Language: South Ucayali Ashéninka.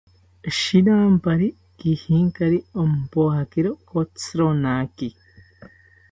Shirampari kijinkari, rompojakiro kotzironaki